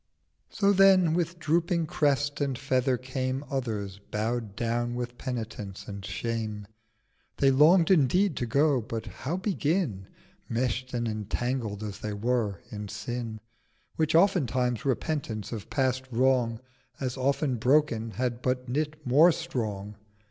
And then, with drooping Crest and Feather, came Others, bow'd down with Penitence and Shame. They long'd indeed to go; 'but how begin, Mesh'd and entangled as they were in Sin 670 Which often times Repentance of past Wrong As often broken had but knit more strong?'